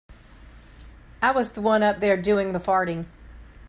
I was the one up there doing the farting.